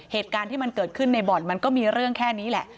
เหตุการณ์ที่มันเกิดขึ้นในบ่อนมันก็มีเรื่องแค่นี้แหละ